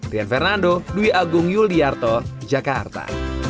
rian fernando dwi agung yuliarto jakarta